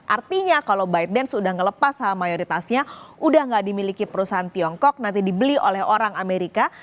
artinya kalau bytedance sudah melepas saham mayoritasnya sudah tidak dimiliki perusahaan tiongkok nanti dibeli oleh orang amerika